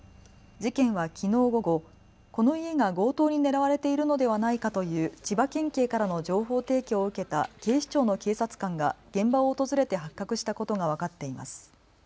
事件はきのう午後、この家が強盗に狙われているのではないかという千葉県警からの情報提供を受けた警視庁の警察官が現場を訪れて発覚したことが分かっています。